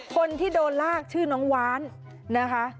คนที่โดนลากชื่อน้องว้านนะคะ